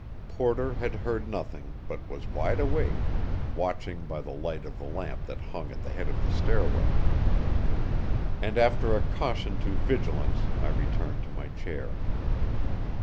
Porter had heard nothing, but was wide awake, watching by the light of the lamp that hung at the head of the stairway. And after a caution to vigilance I returned to my chair.